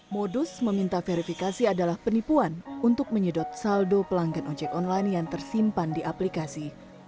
modus meminta verifikasi adalah penipuan untuk menyedot saldo pelanggan ojek online yang tersimpan di aplikasi